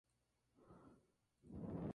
Boliviano por vivencia y herencia.